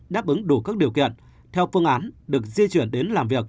đáp ứng đủ các điều kiện theo phương án được di chuyển đến làm việc